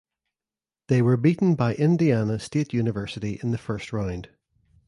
They were beaten by Indiana State University in the first round.